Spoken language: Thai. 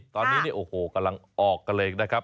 ตอนนี้เนี่ยโอ้โหกำลังออกกันเลยนะครับ